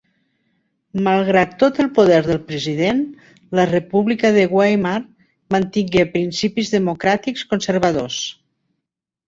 Malgrat tot el poder del president, la República de Weimar mantingué principis democràtics conservadors.